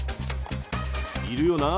いるよな。